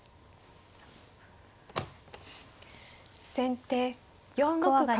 先手４六角。